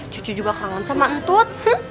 cucu juga kangen sama atut